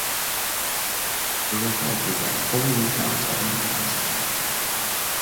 The result is that full recounts are impossible.